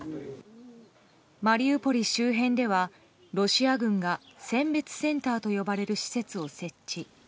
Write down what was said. マリウポリ周辺ではロシア軍が選別センターと呼ばれる施設を設置。